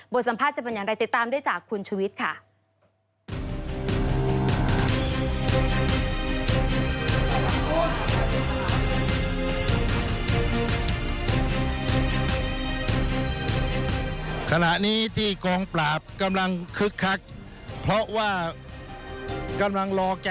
สัมภาษณ์จะเป็นอย่างไรติดตามได้จากคุณชุวิตค่ะ